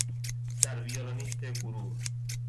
سر ویولونیست گروه